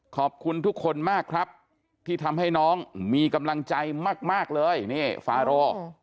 ขอบคุณทุกคนมากครับที่ทำให้น้องมีกำลังใจมากเลยนี่ฟาโร